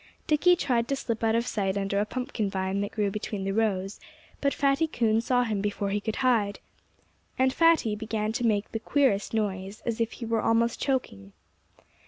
Dickie tried to slip out of sight under a pumpkin vine that grew between the rows; but Fatty Coon saw him before he could hide. And Fatty began to make the queerest noise, as if he were almost choking.